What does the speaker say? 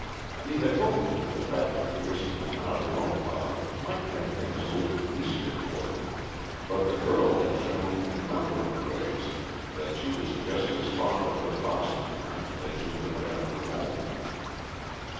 He had hoped that the fact that Petersen was not her own father might make things a little easier for him, but the girl had shown in a number of ways that she was just as fond of her foster parent as she would have been of her own.